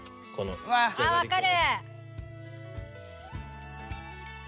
あっ分かる！